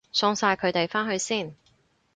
送晒佢哋返去先